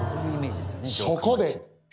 そこで。